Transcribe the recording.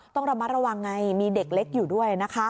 ต้องระมัดระวังไงมีเด็กเล็กอยู่ด้วยนะคะ